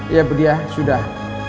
iya budiah sudah